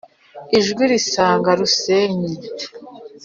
ijwi risanga rusenyi